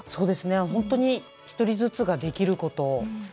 本当に１人ずつができること。